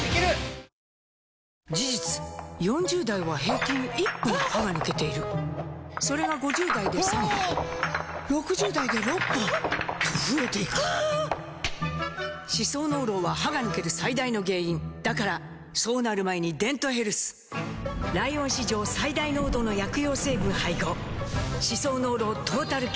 事実４０代は平均１本歯が抜けているそれが５０代で３本６０代で６本と増えていく歯槽膿漏は歯が抜ける最大の原因だからそうなる前に「デントヘルス」ライオン史上最大濃度の薬用成分配合歯槽膿漏トータルケア！